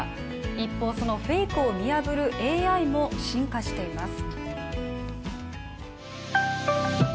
一方、そのフェイクを見破るＡＩも進化しています。